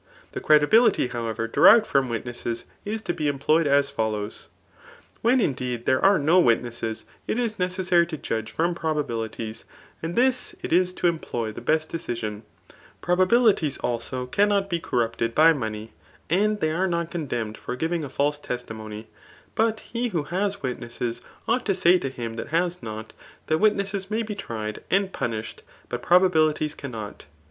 The credibility, however, derived from witnesses [is to be employed as follows*] CKAF« XVI. JLHETORIC« 91 VBIien, indeed, there are no wknesses, it is neeesBaiy to judge from pre>babilitie8 ; and this it is to employ the best decision. Probabilities, also, cannot be corrupted bf money ; and they are not condemned for giving a ialw testimony. But he who has witnesses ought to say ta him that has not, that witnesses may be tried and punished, .but probabilities cannot.